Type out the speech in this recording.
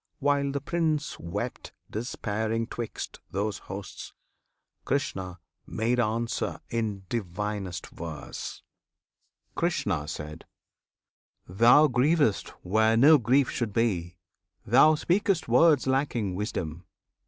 ) While the Prince wept despairing 'twixt those hosts, Krishna made answer in divinest verse: Krishna. Thou grievest where no grief should be! thou speak'st Words lacking wisdom!